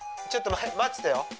ちょっと待っててよ。